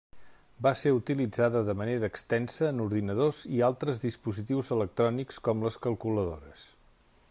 Va ser utilitzada de manera extensa en ordinadors i altres dispositius electrònics com les calculadores.